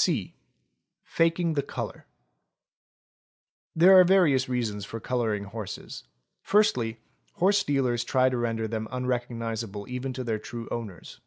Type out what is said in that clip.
(c) Faking the colour. There are various reasons for colouring horses. Firstly, horse dea lers try to render them unrecognisable even to their true owners.